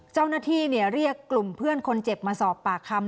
เจ้าหน้าที่เนี่ยเรียกกลุ่มเพื่อนคนเจ็บมาสอบปากคำ